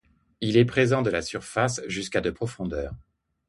Il est présent de la surface jusqu'à de profondeur.